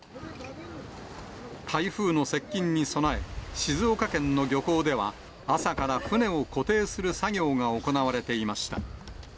台風の接近に備え、静岡県の漁港では、朝から船を固定する作業が行われていました。